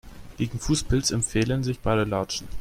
Gegen Fußpilz empfehlen sich Badelatschen.